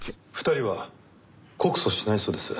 ２人は告訴しないそうです。